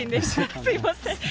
すみません。